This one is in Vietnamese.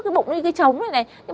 cái bụng nó như cái trống này này